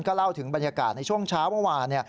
เล่าถึงบรรยากาศในช่วงเช้าเมื่อวาน